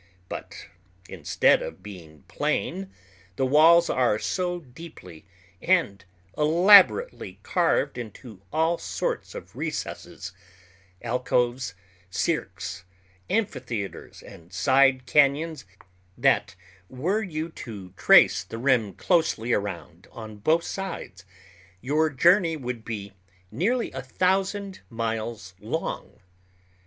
But instead of being plain, the walls are so deeply and elaborately carved into all sorts of recesses—alcoves, cirques, amphitheaters, and side cañons—that, were you to trace the rim closely around on both sides, your journey would be nearly a thousand miles long.